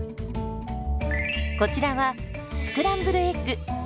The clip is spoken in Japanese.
こちらはスクランブルエッグ。